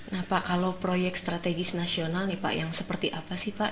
nah pak kalau proyek strategis nasional nih pak yang seperti apa sih pak